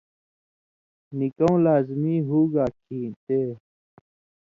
نِکؤں لازمی ہُوگا کھیں تے